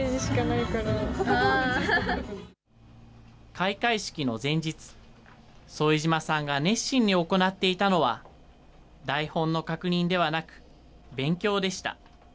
開会式の前日、副島さんが熱心に行っていたのは、台本の確認ではなく、勉強でした。